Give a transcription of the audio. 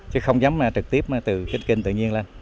chứ không dám trực tiếp từ kênh tự nhiên lên